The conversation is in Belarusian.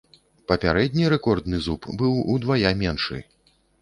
Папярэдні рэкордны зуб быў удвая меншы.